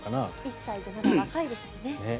１歳でまだ若いですしね。